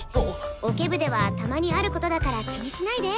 オケ部ではたまにあることだから気にしないで。